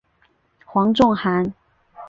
黄仲涵。